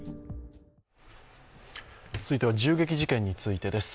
続いては銃撃事件についてです。